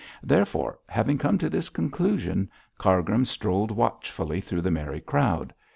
Therefore, having come to this conclusion, Cargrim strolled watchfully through the merry crowd.